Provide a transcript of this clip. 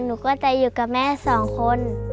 หนูก็จะอยู่กับแม่สองคน